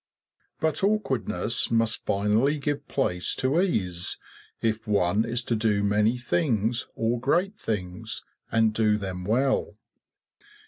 But awkwardness must finally give place to ease if one is to do many things or great things, and do them well.